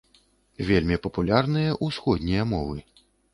Вельмі папулярныя ўсходнія мовы.